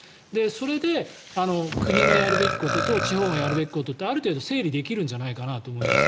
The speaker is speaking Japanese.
それで国がやるべきことと地方がやるべきことってある程度整理できるんじゃないかなと思います。